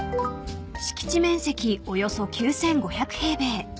［敷地面積およそ９，５００平米］